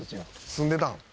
「住んでたん？